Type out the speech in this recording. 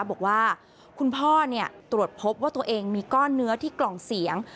บอกว่าคุณพ่อตรวจพบว่าตัวเองมีก้อนเนื้อที่กล่องเสียง